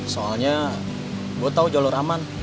soalnya gue tahu jalur aman